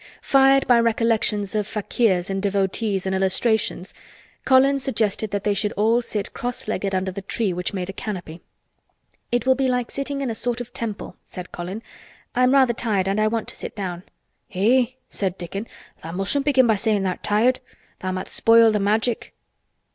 Fired by recollections of fakirs and devotees in illustrations Colin suggested that they should all sit cross legged under the tree which made a canopy. "It will be like sitting in a sort of temple," said Colin. "I'm rather tired and I want to sit down." "Eh!" said Dickon, "tha' mustn't begin by sayin' tha'rt tired. Tha' might spoil th' Magic."